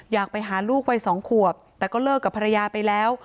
อยากไปหาลูกวัย๒ขวบแต่ก็เลิกกับภรรยาไปแล้ว